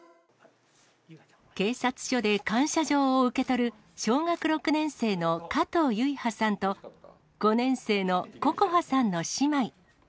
警察署で感謝状を受け取る、小学６年生の可藤唯羽さんと５年生の心羽さんの姉妹。